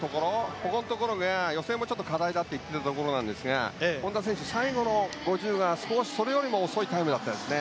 ここのところが予選も課題だと言ってたところなんですが本多選手、最後の５０はそれよりも遅かったですね。